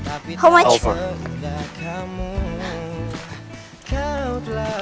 apa yang lucu